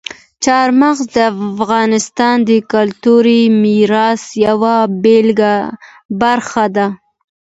چار مغز د افغانستان د کلتوري میراث یوه برخه ده.